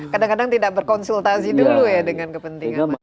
kadang kadang tidak berkonsultasi dulu ya dengan kepentingan masyarakat